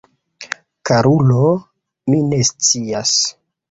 Karulo, mi ne scias.